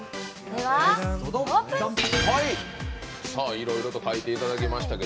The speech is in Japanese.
いろいろ書いていただきましたが。